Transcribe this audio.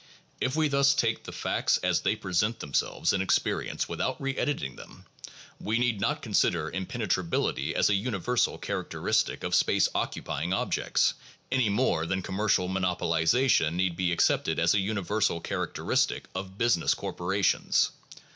If we thus take the facts as they present themselves in experience, without reediting them, we need not consider impenetrability as a universal characteristic of space occupying objects, any more than commercial monopo lization need be accepted as a universal characteristic of business corporations.